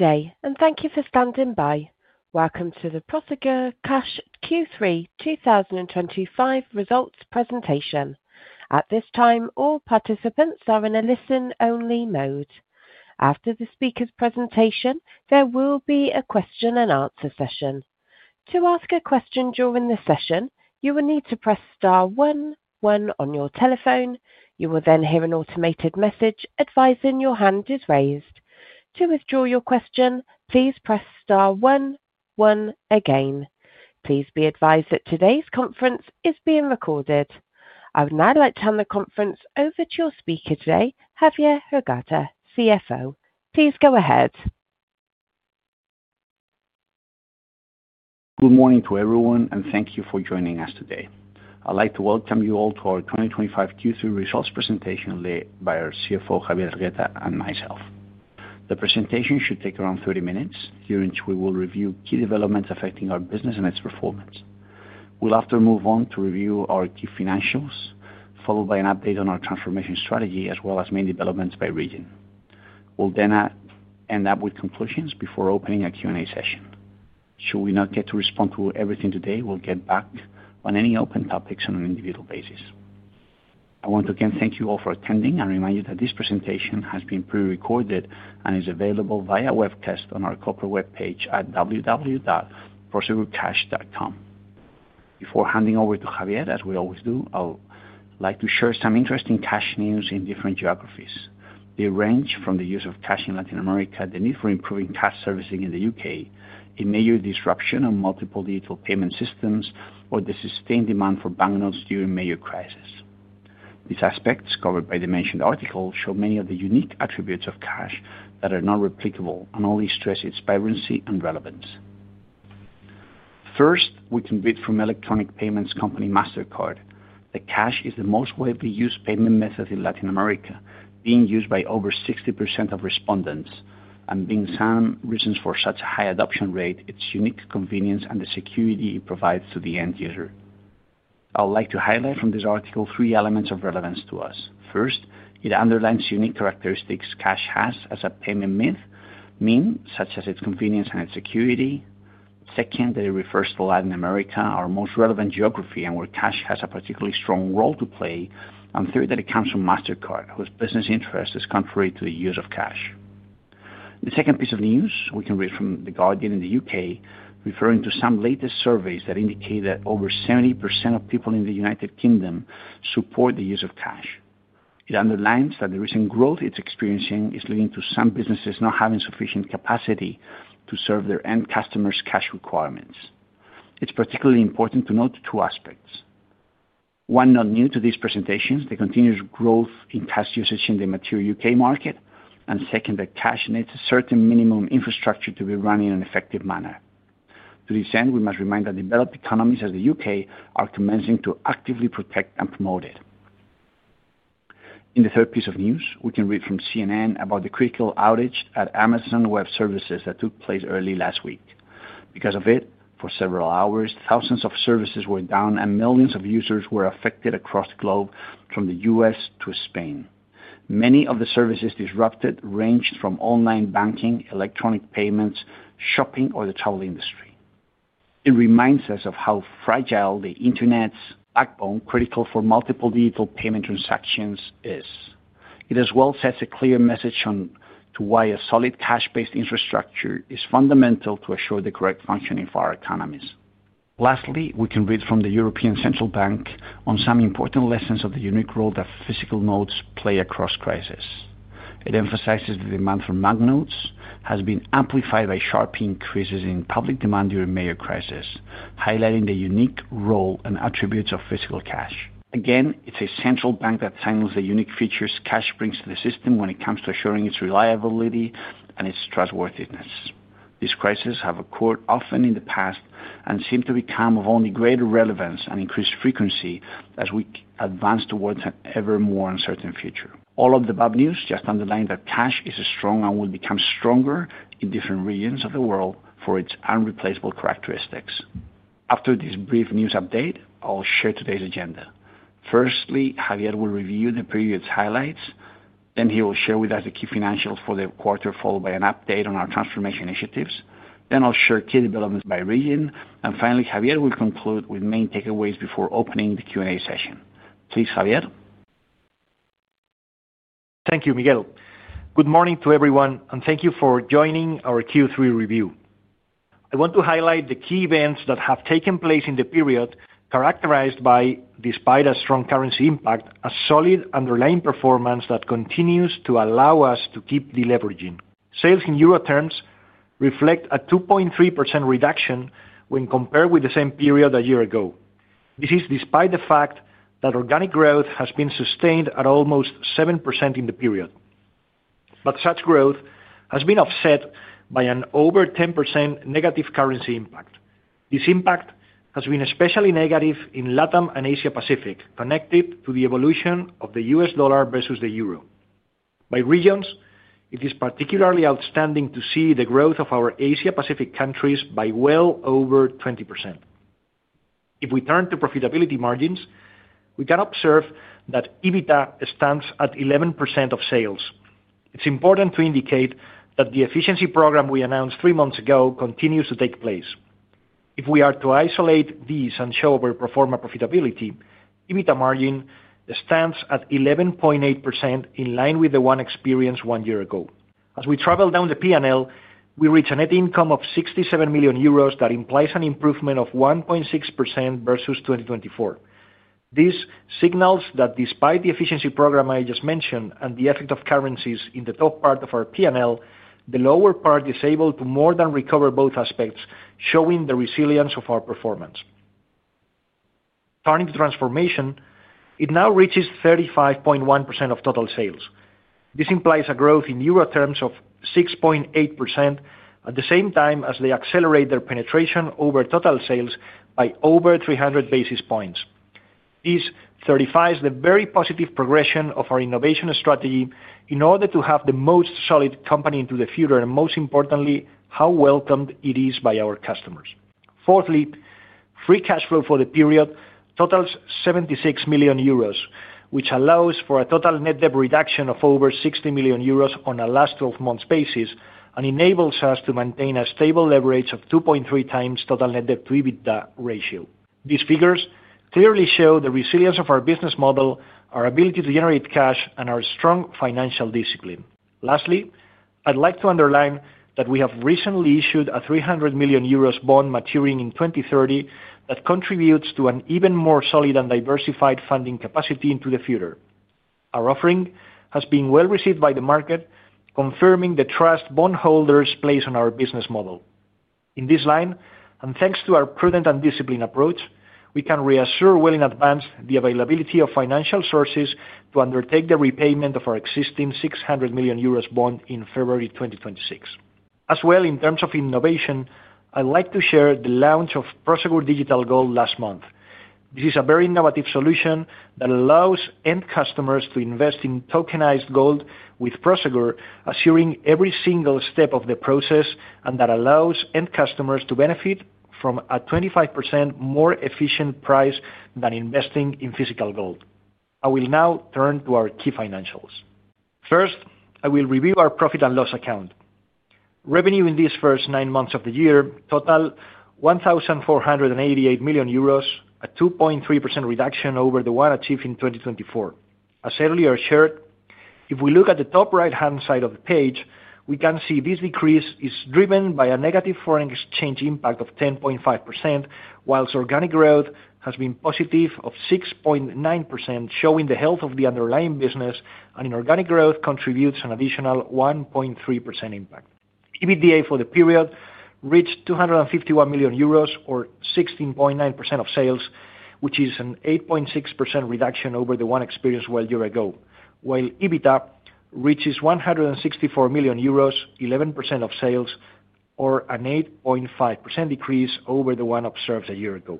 Thank you for standing by. Welcome to the Prosegur Cash Q3 2025 results presentation. At this time, all participants are in a listen-only mode. After the speaker's presentation, there will be a question and answer session. To ask a question during the session, you will need to press star one, one on your telephone. You will then hear an automated message advising your hand is raised. To withdraw your question, please press star one, one again. Please be advised that today's conference is being recorded. I would now like to hand the conference over to your speaker today, Javier Hergueta, CFO. Please go ahead. Good morning to everyone, and thank you for joining us today. I'd like to welcome you all to our 2025 Q3 results presentation led by our CFO, Javier Hergueta, and myself. The presentation should take around 30 minutes, during which we will review key developments affecting our business and its performance. We'll after move on to review our key financials, followed by an update on our transformation strategy, as well as main developments by region. We'll then end up with conclusions before opening a Q&A session. Should we not get to respond to everything today, we'll get back on any open topics on an individual basis. I want to again thank you all for attending and remind you that this presentation has been prerecorded and is available via webcast on our corporate webpage at www.prosegurcash.com. Before handing over to Javier, as we always do, I'd like to share some interesting cash news in different geographies. They range from the use of cash in Latin America, the need for improving cash servicing in the U.K., a major disruption in multiple digital payment systems, or the sustained demand for banknotes during major crises. These aspects, covered by the mentioned article, show many of the unique attributes of cash that are not replicable and only stress its vibrancy and relevance. First, we can read from electronic payments company Mastercard. The cash is the most widely used payment method in Latin America, being used by over 60% of respondents. And being some reasons for such a high adoption rate, its unique convenience and the security it provides to the end user. I would like to highlight from this article three elements of relevance to us. First, it underlines unique characteristics cash has as a payment means such as its convenience and its security. Second, that it refers to Latin America, our most relevant geography, and where cash has a particularly strong role to play. Third, that it comes from Mastercard, whose business interest is contrary to the use of cash. The second piece of news, we can read from The Guardian in the U.K., referring to some latest surveys that indicate that over 70% of people in the United Kingdom support the use of cash. It underlines that the recent growth it's experiencing is leading to some businesses not having sufficient capacity to serve their end customers' cash requirements. It's particularly important to note two aspects. One, not new to these presentations, the continuous growth in cash usage in the material U.K. market. Second, that cash needs a certain minimum infrastructure to be run in an effective manner. To this end, we must remind that developed economies as the U.K. are commencing to actively protect and promote it. In the third piece of news, we can read from CNN about the critical outage at Amazon Web Services that took place early last week. Because of it, for several hours, thousands of services were down and millions of users were affected across the globe, from the U.S. to Spain. Many of the services disrupted ranged from online banking, electronic payments, shopping, or the travel industry. It reminds us of how fragile the internet's backbone, critical for multiple digital payment transactions, is. It as well sets a clear message on to why a solid cash-based infrastructure is fundamental to assure the correct functioning for our economies. Lastly, we can read from the European Central Bank on some important lessons of the unique role that physical notes play across crises. It emphasizes the demand for banknotes has been amplified by sharp increases in public demand during major crises, highlighting the unique role and attributes of physical cash. Again, it's a central bank that signals the unique features cash brings to the system when it comes to assuring its reliability and its trustworthiness. These crises have occurred often in the past and seem to become of only greater relevance and increased frequency as we advance towards an ever more uncertain future. All of the above news just underlined that cash is strong and will become stronger in different regions of the world for its unreplaceable characteristics. After this brief news update, I'll share today's agenda. Firstly, Javier will review the previous highlights. He will share with us the key financials for the quarter, followed by an update on our transformation initiatives. I'll share key developments by region. Finally, Javier will conclude with main takeaways before opening the Q&A session. Please, Javier. Thank you, Miguel. Good morning to everyone, and thank you for joining our Q3 review. I want to highlight the key events that have taken place in the period characterized by, despite a strong currency impact, a solid underlying performance that continues to allow us to keep deleveraging. Sales in euro terms reflect a 2.3% reduction when compared with the same period a year ago. This is despite the fact that organic growth has been sustained at almost 7% in the period. Such growth has been offset by an over 10% negative currency impact. This impact has been especially negative in Latin America and Asia Pacific, connected to the evolution of the U.S. dollar versus the euro. By regions, it is particularly outstanding to see the growth of our Asia Pacific countries by well over 20%. If we turn to profitability margins, we can observe that EBITDA stands at 11% of sales. It's important to indicate that the efficiency program we announced three months ago continues to take place. If we are to isolate these and show overperformer profitability, EBITDA margin stands at 11.8% in line with the one experienced one year ago. As we travel down the P&L, we reach a net income of 67 million euros that implies an improvement of 1.6% versus 2024. This signals that despite the efficiency program I just mentioned and the effect of currencies in the top part of our P&L, the lower part is able to more than recover both aspects, showing the resilience of our performance. Turning to transformation, it now reaches 35.1% of total sales. This implies a growth in euro terms of 6.8% at the same time as they accelerate their penetration over total sales by over 300 basis points. This certifies the very positive progression of our innovation strategy in order to have the most solid company into the future and, most importantly, how welcomed it is by our customers. Fourthly, free cash flow for the period totals 76 million euros, which allows for a total net debt reduction of over 60 million euros on a last 12 months basis and enables us to maintain a stable leverage of 2.3x total net debt to EBITDA ratio. These figures clearly show the resilience of our business model, our ability to generate cash, and our strong financial discipline. Lastly, I'd like to underline that we have recently issued a 300 million euros bond maturing in 2030 that contributes to an even more solid and diversified funding capacity into the future. Our offering has been well received by the market, confirming the trust bondholders place on our business model. In this line, and thanks to our prudent and disciplined approach, we can reassure well in advance the availability of financial sources to undertake the repayment of our existing 600 million euros bond in February 2026. As well, in terms of innovation, I'd like to share the launch of Prosegur Digital Gold last month. This is a very innovative solution that allows end customers to invest in tokenized gold with Prosegur, assuring every single step of the process, and that allows end customers to benefit from a 25% more efficient price than investing in physical gold. I will now turn to our key financials. First, I will review our profit and loss account. Revenue in these first nine months of the year total 1,488 million euros, a 2.3% reduction over the one achieved in 2024. As earlier shared, if we look at the top right-hand side of the page, we can see this decrease is driven by a negative foreign exchange impact of 10.5%, whilst organic growth has been positive of 6.9%, showing the health of the underlying business, and inorganic growth contributes an additional 1.3% impact. EBITDA for the period reached 251 million euros, or 16.9% of sales, which is an 8.6% reduction over the one experienced a year ago, while EBITDA reaches 164 million euros, 11% of sales, or an 8.5% decrease over the one observed a year ago.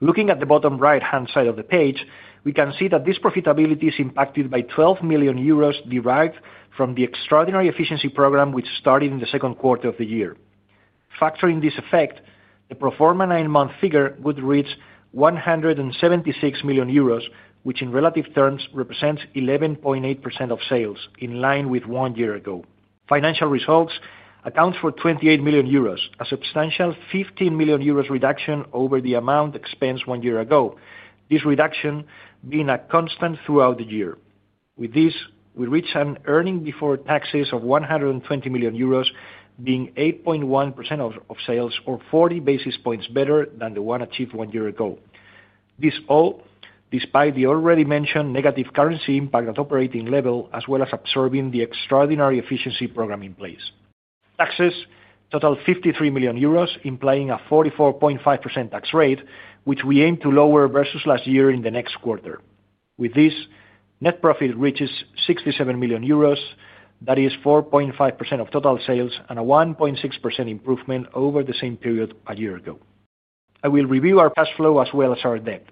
Looking at the bottom right-hand side of the page, we can see that this profitability is impacted by 12 million euros derived from the extraordinary efficiency program, which started in the second quarter of the year. Factoring this effect, the pro forma nine-month figure would reach 176 million euros, which in relative terms represents 11.8% of sales in line with one year ago. Financial results account for 28 million euros, a substantial 15 million euros reduction over the amount expensed one year ago, this reduction being a constant throughout the year. With this, we reach an earning before taxes of 120 million euros, being 8.1% of sales or 40 basis points better than the one achieved one year ago. This all despite the already mentioned negative currency impact at operating level, as well as absorbing the extraordinary efficiency program in place. Taxes total 53 million euros, implying a 44.5% tax rate, which we aim to lower versus last year in the next quarter. With this, net profit reaches 67 million euros, that is 4.5% of total sales and a 1.6% improvement over the same period a year ago. I will review our cash flow as well as our debt.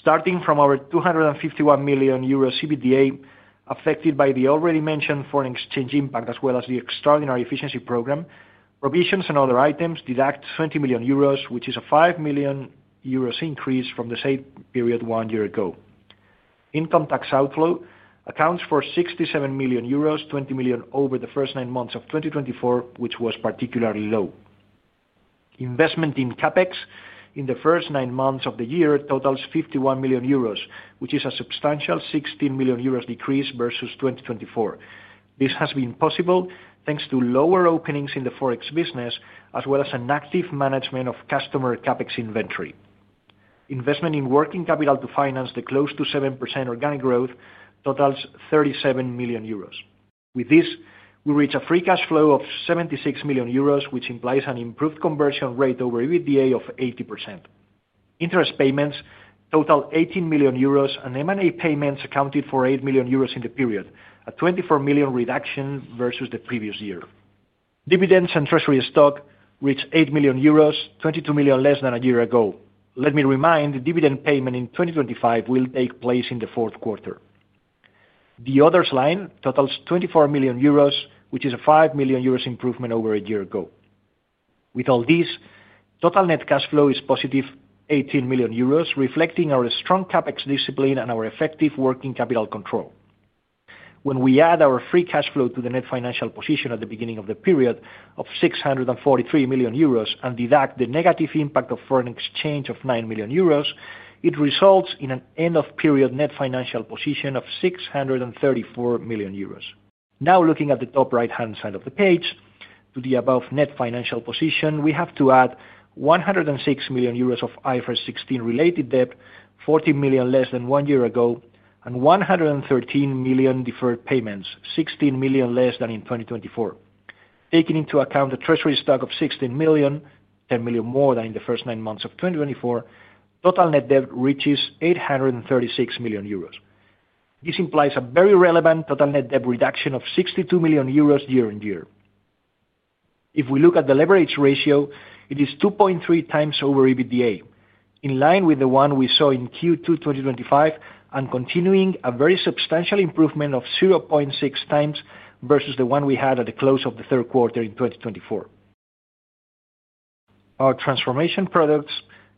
Starting from our 251 million euro EBITDA affected by the already mentioned foreign exchange impact, as well as the extraordinary efficiency program, provisions and other items deduct 20 million euros, which is a 5 million euros increase from the same period one year ago. Income tax outflow accounts for 67 million euros, 20 million over the first nine months of 2024, which was particularly low. Investment in CapEx in the first nine months of the year totals 51 million euros, which is a substantial 16 million euros decrease versus 2024. This has been possible thanks to lower openings in the forex business, as well as an active management of customer CapEx inventory. Investment in working capital to finance the close to 7% organic growth totals 37 million euros. With this, we reach a free cash flow of 76 million euros, which implies an improved conversion rate over EBITDA of 80%. Interest payments total 18 million euros, and M&A payments accounted for 8 million euros in the period, a 24 million reduction versus the previous year. Dividends and treasury stock reach 8 million euros, 22 million less than a year ago. Let me remind, the dividend payment in 2025 will take place in the fourth quarter. The others line totals 24 million euros, which is a 5 million euros improvement over a year ago. With all this, total net cash flow is positive 18 million euros, reflecting our strong CapEx discipline and our effective working capital control. When we add our free cash flow to the net financial position at the beginning of the period of 643 million euros and deduct the negative impact of foreign exchange of 9 million euros, it results in an end-of-period net financial position of 634 million euros. Now looking at the top right-hand side of the page, to the above net financial position, we have to add 106 million euros of IFRS 16 related debt, 40 million less than one year ago, and 113 million deferred payments, 16 million less than in 2024. Taking into account the treasury stock of 16 million, 10 million more than in the first nine months of 2024, total net debt reaches 836 million euros. This implies a very relevant total net debt reduction of 62 million euros year on year. If we look at the leverage ratio, it is 2.3x over EBITDA, in line with the one we saw in Q2 2025 and continuing a very substantial improvement of 0.6x versus the one we had at the close of the third quarter in 2024. Our transformation products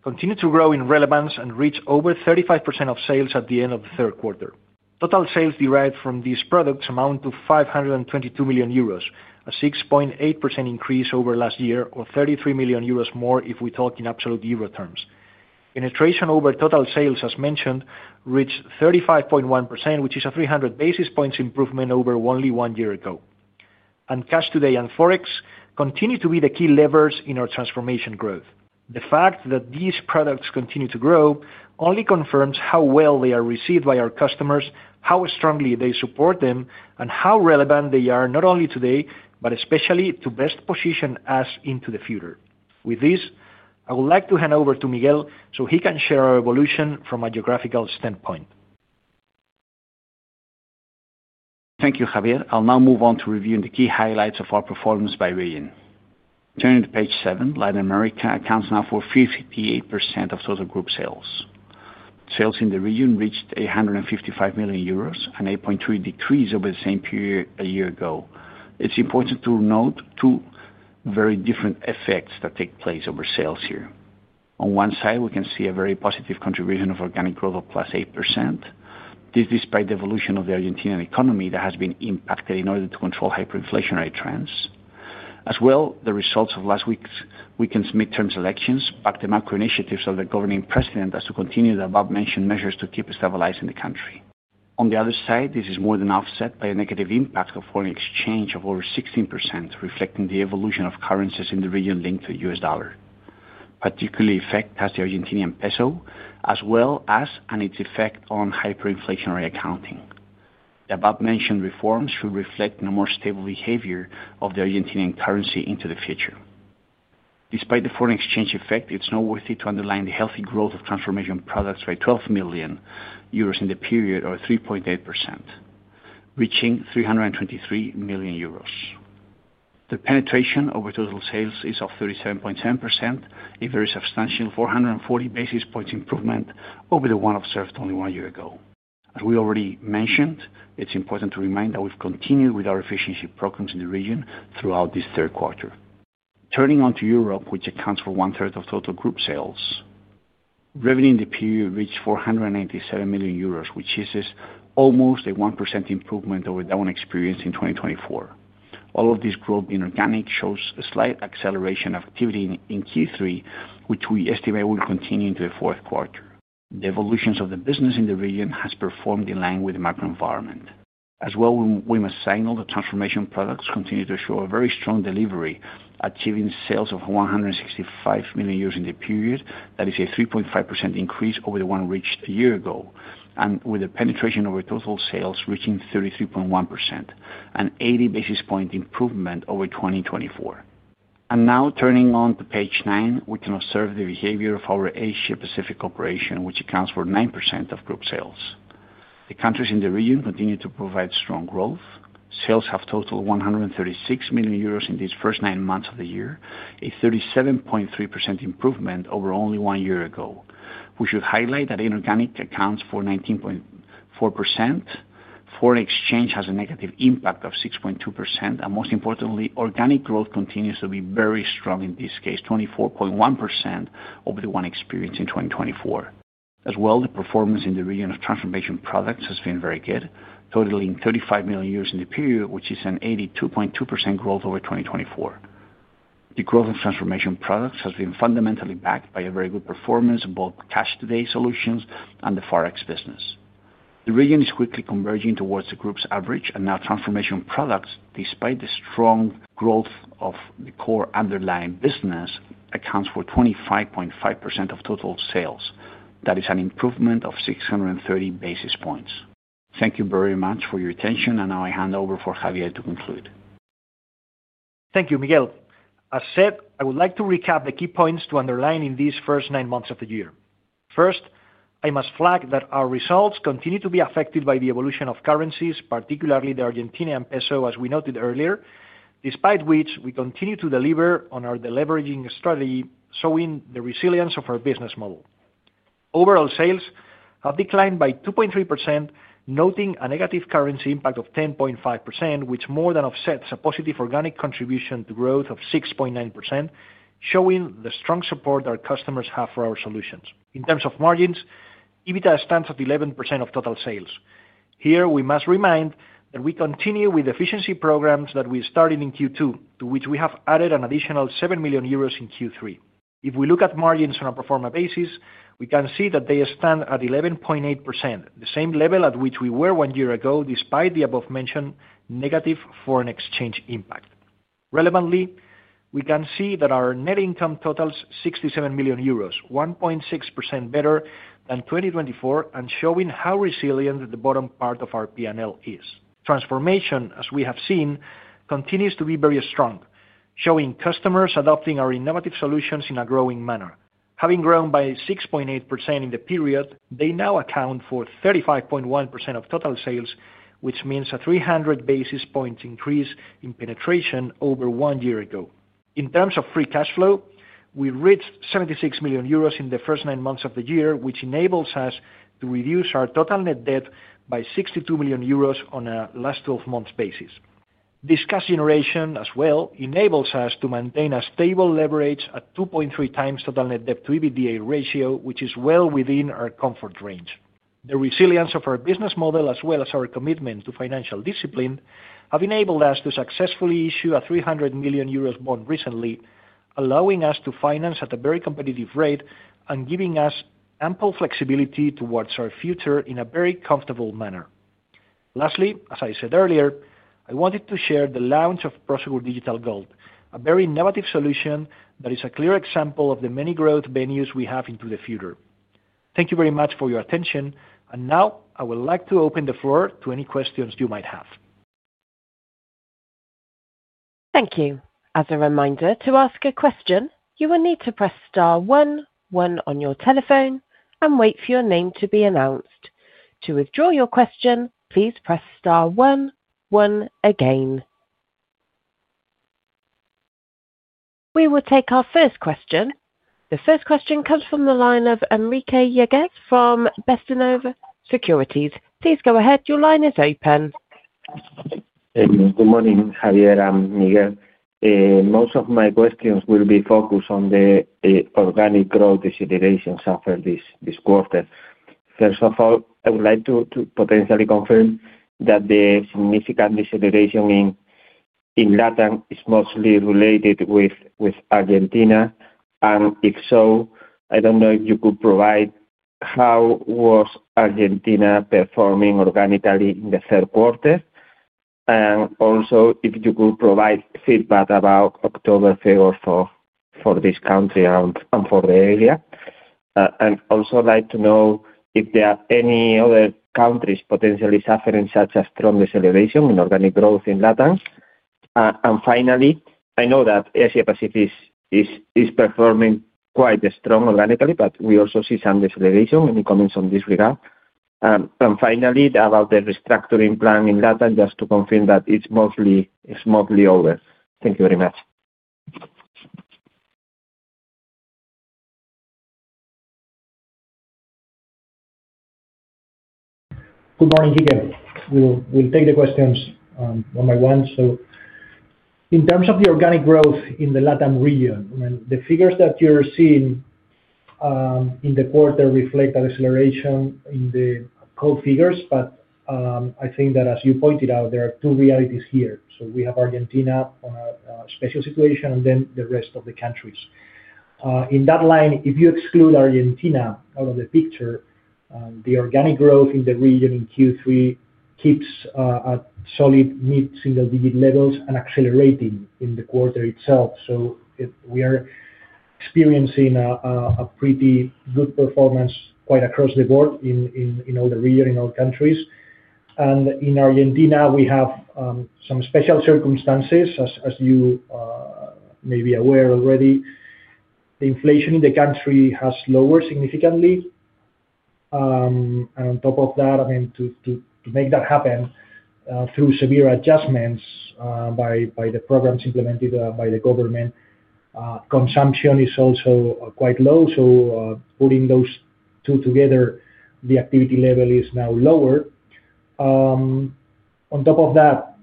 continue to grow in relevance and reach over 35% of sales at the end of the third quarter. Total sales derived from these products amount to 522 million euros, a 6.8% increase over last year, or 33 million euros more if we talk in absolute euro terms. Penetration over total sales, as mentioned, reached 35.1%, which is a 300 basis point improvement over only one year ago. Cash today and forex continue to be the key levers in our transformation growth. The fact that these products continue to grow only confirms how well they are received by our customers, how strongly they support them, and how relevant they are not only today, but especially to best position us into the future. With this, I would like to hand over to Miguel so he can share our evolution from a geographical standpoint. Thank you, Javier. I'll now move on to reviewing the key highlights of our performance by region. Turning to page seven, Latin America accounts now for 58% of total group sales. Sales in the region reached 155 million euros, an 8.3% decrease over the same period a year ago. It's important to note two very different effects that take place over sales here. On one side, we can see a very positive contribution of organic growth of +8%. This is despite the evolution of the Argentinian economy that has been impacted in order to control hyperinflationary trends. As well, the results of last weekend's midterms elections back the macro initiatives of the governing president as to continue the above-mentioned measures to keep stabilizing the country. On the other side, this is more than offset by a negative impact of foreign exchange of over 16%, reflecting the evolution of currencies in the region linked to the U.S. dollar. Particularly affected has been the Argentinian peso, as well as its effect on hyperinflationary accounting. The above-mentioned reforms should reflect a more stable behavior of the Argentinian currency into the future. Despite the foreign exchange effect, it's noteworthy to underline the healthy growth of transformation products by 12 million euros in the period, or 3.8%, reaching 323 million euros. The penetration over total sales is 37.7%, a very substantial 440 basis points improvement over the one observed only one year ago. As we already mentioned, it's important to remind that we've continued with our efficiency programs in the region throughout this third quarter. Turning on to Europe, which accounts for one-third of total group sales, revenue in the period reached 497 million euros, which is almost a 1% improvement over that one experienced in 2024. All of this growth in organic shows a slight acceleration of activity in Q3, which we estimate will continue into the fourth quarter. The evolutions of the business in the region have performed in line with the macro environment. As well, we must signal that transformation products continue to show a very strong delivery, achieving sales of 165 million euros in the period, that is a 3.5% increase over the one reached a year ago, and with a penetration over total sales reaching 33.1%, an 80 basis point improvement over 2024. Now turning on to page nine, we can observe the behavior of our Asia Pacific operation, which accounts for 9% of group sales. The countries in the region continue to provide strong growth. Sales have totaled 136 million euros in these first nine months of the year, a 37.3% improvement over only one year ago. We should highlight that inorganic accounts for 19.4%, foreign exchange has a negative impact of 6.2%, and most importantly, organic growth continues to be very strong in this case, 24.1% over the one experienced in 2024. As well, the performance in the region of transformation products has been very good, totaling 35 million euros in the period, which is an 82.2% growth over 2024. The growth of transformation products has been fundamentally backed by a very good performance of both cash today solutions and the forex business. The region is quickly converging towards the group's average, and now transformation products, despite the strong growth of the core underlying business, accounts for 25.5% of total sales. That is an improvement of 630 basis points. Thank you very much for your attention, and now I hand over for Javier to conclude. Thank you, Miguel. As said, I would like to recap the key points to underline in these first nine months of the year. First, I must flag that our results continue to be affected by the evolution of currencies, particularly the Argentinian peso, as we noted earlier, despite which we continue to deliver on our deleveraging strategy, showing the resilience of our business model. Overall sales have declined by 2.3%, noting a negative currency impact of 10.5%, which more than offsets a positive organic contribution to growth of 6.9%, showing the strong support our customers have for our solutions. In terms of margins, EBITDA stands at 11% of total sales. Here, we must remind that we continue with efficiency programs that we started in Q2, to which we have added an additional 7 million euros in Q3. If we look at margins on a pro forma basis, we can see that they stand at 11.8%, the same level at which we were one year ago, despite the above-mentioned negative foreign exchange impact. Relevantly, we can see that our net income totals 67 million euros, 1.6% better than 2023, and showing how resilient the bottom part of our P&L is. Transformation, as we have seen, continues to be very strong, showing customers adopting our innovative solutions in a growing manner. Having grown by 6.8% in the period, they now account for 35.1% of total sales, which means a 300 basis point increase in penetration over one year ago. In terms of free cash flow, we reached 76 million euros in the first nine months of the year, which enables us to reduce our total net debt by 62 million euros on a last 12 months basis. This cash generation, as well, enables us to maintain a stable leverage at 2.3x total net debt to EBITDA ratio, which is well within our comfort range. The resilience of our business model, as well as our commitment to financial discipline, have enabled us to successfully issue a 300 million euros bond recently, allowing us to finance at a very competitive rate and giving us ample flexibility towards our future in a very comfortable manner. Lastly, as I said earlier, I wanted to share the launch of Prosegur Digital Gold, a very innovative solution that is a clear example of the many growth venues we have into the future. Thank you very much for your attention. I would like to open the floor to any questions you might have. Thank you. As a reminder, to ask a question, you will need to press star one, one on your telephone and wait for your name to be announced. To withdraw your question, please press star one, one again. We will take our first question. The first question comes from the line of Enrique Yaguez from Bestinver Securities. Please go ahead. Your line is open. Good morning, Javier and Miguel. Most of my questions will be focused on the organic growth accelerations after this quarter. First of all, I would like to potentially confirm that the significant acceleration in Latin is mostly related with Argentina. If so, I don't know if you could provide how was Argentina performing organically in the third quarter. Also, if you could provide feedback about October figures for this country and for the area. I'd also like to know if there are any other countries potentially suffering such a strong acceleration in organic growth in Latin. I know that Asia Pacific is performing quite strong organically, but we also see some acceleration. Any comments on this regard? Finally, about the restructuring plan in Latin, just to confirm that it's mostly over. Thank you very much. Good morning, Miguel. We'll take the questions one by one. In terms of the organic growth in the Latin region, the figures that you're seeing in the quarter reflect an acceleration in the growth figures, but I think that, as you pointed out, there are two realities here. We have Argentina on a special situation, and then the rest of the countries. In that line, if you exclude Argentina out of the picture, the organic growth in the region in Q3 keeps at solid mid-single-digit levels and accelerating in the quarter itself. We are experiencing a pretty good performance quite across the board in all the region, in all countries. In Argentina, we have some special circumstances, as you may be aware already. The inflation in the country has lowered significantly. On top of that, to make that happen through severe adjustments by the programs implemented by the government, consumption is also quite low. Putting those two together, the activity level is now lower. On top of that,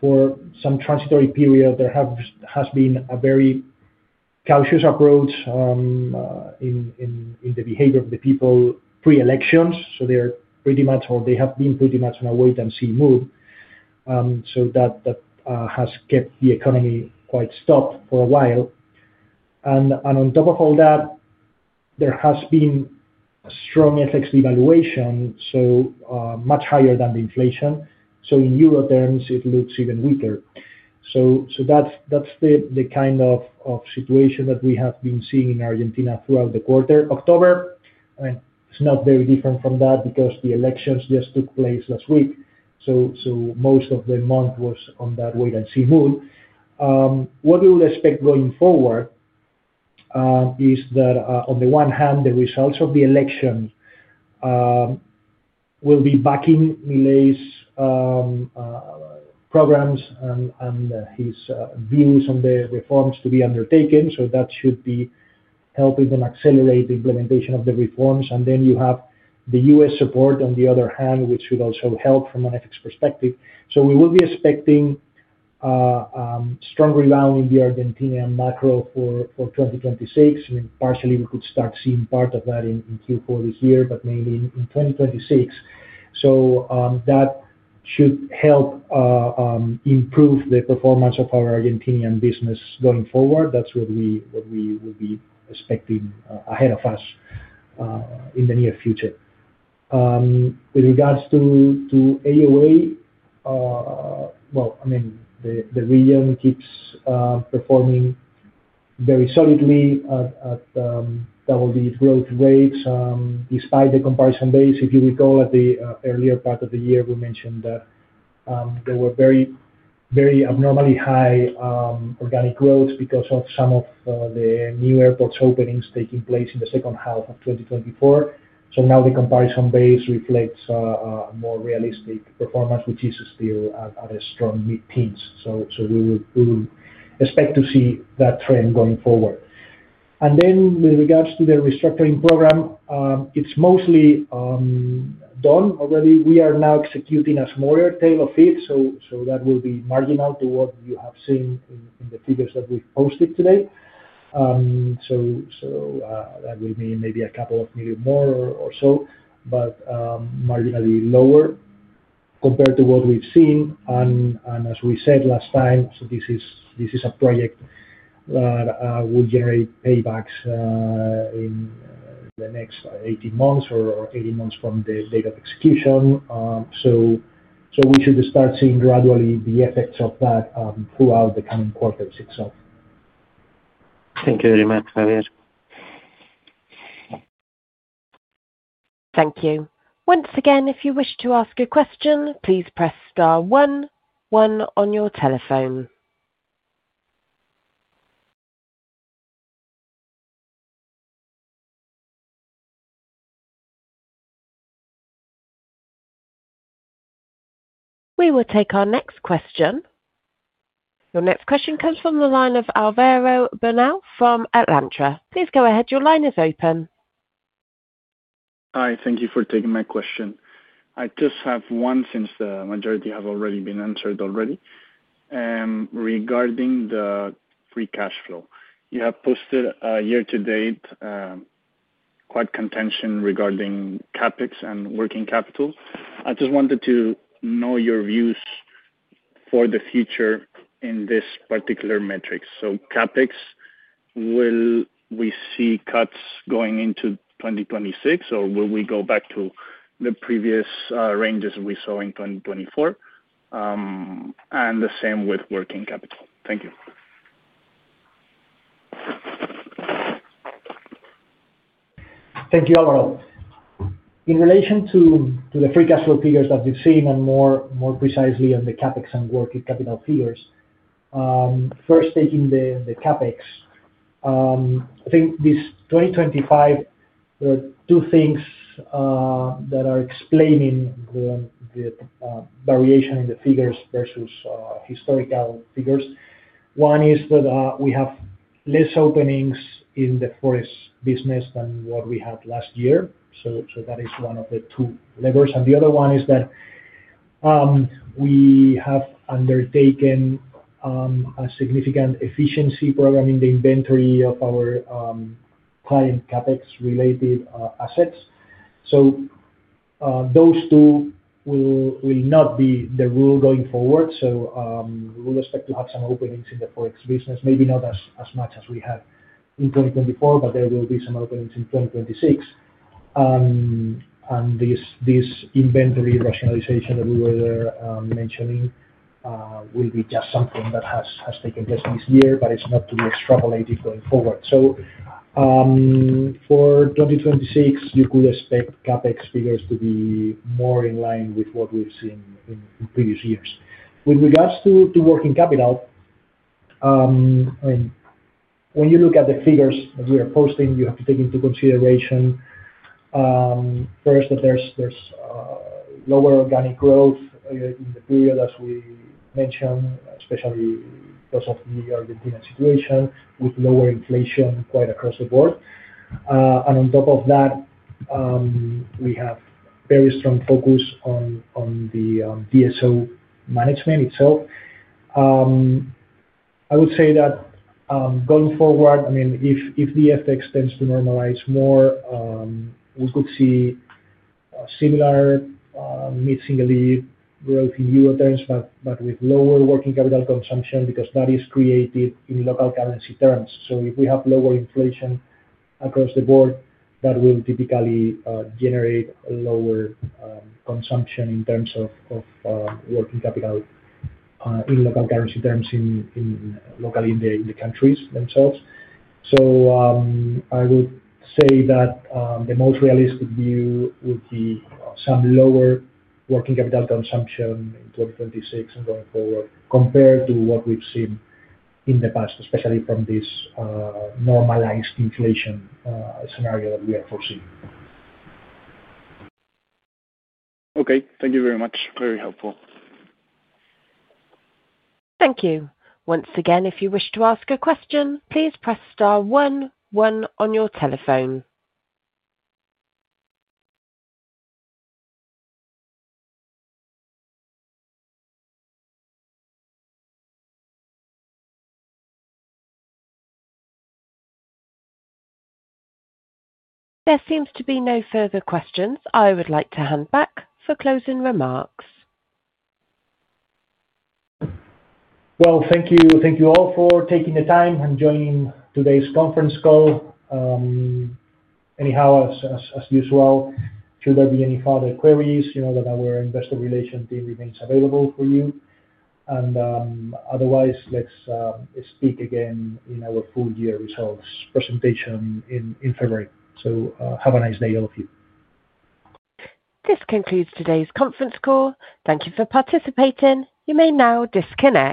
for some transitory period, there has been a very cautious approach in the behavior of the people pre-elections. They are pretty much, or they have been pretty much, on a wait-and-see move. That has kept the economy quite stopped for a while. On top of all that, there has been a strong FX devaluation, so much higher than the inflation. In euro terms, it looks even weaker. That's the kind of situation that we have been seeing in Argentina throughout the quarter. October is not very different from that because the elections just took place last week. Most of the month was on that wait-and-see move. What we would expect going forward is that, on the one hand, the results of the election will be backing Milei's programs and his views on the reforms to be undertaken. That should be helping them accelerate the implementation of the reforms. You have the U.S. support, on the other hand, which would also help from an FX perspective. We will be expecting a strong rebound in the Argentinian macro for 2026. Partially, we could start seeing part of that in Q4 this year, but mainly in 2026. That should help improve the performance of our Argentinian business going forward. That's what we will be expecting ahead of us in the near future. With regards to AOA, the region keeps performing very solidly at double-digit growth rates. Despite the comparison base, if you recall, at the earlier part of the year, we mentioned that there were very, very abnormally high organic growth because of some of the new airports openings taking place in the second half of 2024. Now the comparison base reflects a more realistic performance, which is still at a strong mid-teens. We will expect to see that trend going forward. With regards to the restructuring program, it's mostly done already. We are now executing a smaller tail of it. That will be marginal to what you have seen in the figures that we've posted today. That will be maybe a couple of million more or so, but marginally lower compared to what we've seen. As we said last time, this is a project that will generate paybacks in the next 18 months or 18 months from the date of execution. We should start seeing gradually the effects of that throughout the coming quarters itself. Thank you very much, Javier. Thank you. Once again, if you wish to ask a question, please press star one, one on your telephone. We will take our next question. Your next question comes from the line of Alvaro Bernal from Alantra. Please go ahead. Your line is open. Hi. Thank you for taking my question. I just have one since the majority have already been answered. Regarding the free cash flow, you have posted a year-to-date quite contention regarding CapEx and working capital. I just wanted to know your views for the future in this particular metric. CapEx, will we see cuts going into 2026, or will we go back to the previous ranges we saw in 2024? The same with working capital. Thank you. Thank you, Alvaro. In relation to the free cash flow figures that you've seen and more precisely on the CapEx and working capital figures, first taking the CapEx, I think this 2025, there are two things that are explaining the variation in the figures versus historical figures. One is that we have fewer openings in the forex business than what we had last year. That is one of the two levers. The other one is that we have undertaken a significant efficiency program in the inventory of our client CapEx-related assets. Those two will not be the rule going forward. We will expect to have some openings in the forex business, maybe not as much as we had in 2024, but there will be some openings in 2026. This inventory rationalization that we were mentioning will be just something that has taken place this year, but it's not to be extrapolated going forward. For 2026, you could expect CapEx figures to be more in line with what we've seen in previous years. With regards to working capital, when you look at the figures that we are posting, you have to take into consideration first that there's lower organic growth in the period, as we mentioned, especially because of the Argentinian situation with lower inflation quite across the board. On top of that, we have a very strong focus on the DSO management itself. I would say that going forward, if the FX tends to normalize more, we could see a similar mid-single-digit growth in euro terms, but with lower working capital consumption because that is created in local currency terms. If we have lower inflation across the board, that will typically generate a lower consumption in terms of working capital in local currency terms locally in the countries themselves. I would say that the most realistic view would be some lower working capital consumption in 2026 and going forward compared to what we've seen in the past, especially from this normalized inflation scenario that we are foreseeing. Okay, thank you very much. Very helpful. Thank you. Once again, if you wish to ask a question, please press star one, one on your telephone. There seems to be no further questions. I would like to hand back for closing remarks. Thank you all for taking the time and joining today's conference call. As usual, should there be any further queries, you know that our investor relations team remains available for you. Otherwise, let's speak again in our full-year results presentation in February. Have a nice day, all of you. This concludes today's conference call. Thank you for participating. You may now disconnect.